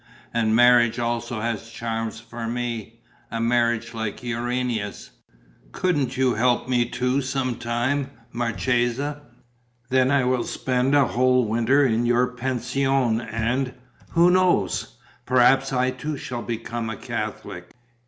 And marriage also has charms for me, a marriage like Urania's. Couldn't you help me too some time, marchesa? Then I will spend a whole winter in your pension and who knows? perhaps I too shall become a Catholic.